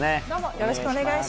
よろしくお願いします。